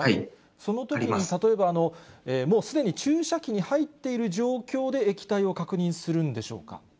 そのときに、例えばもうすでに注射器に入っている状況で、液体を確認するんでしょうか。